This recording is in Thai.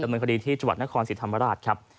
ประดำนาคดีที่จวัตรนครสิทธิ์ธรรมราชครับ